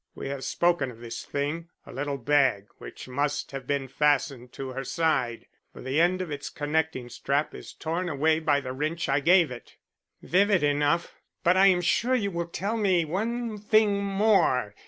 We have spoken of this thing a little bag which must have been fastened to her side, for the end of its connecting strap is torn away by the wrench I gave it." "Vivid enough; but I am sure you will tell me one thing more.